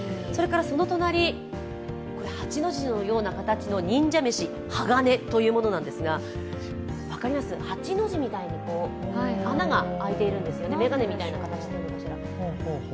そのとなり、８の字のような形の忍者めし鋼というものですがわかりますか、８の字みたいに穴が開いているんですよね、眼鏡みたいな。